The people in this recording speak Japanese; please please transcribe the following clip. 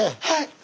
はい。